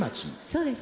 そうです。